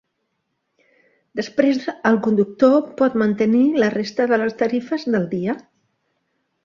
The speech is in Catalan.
Després el conductor pot mantenir la resta de les tarifes del dia.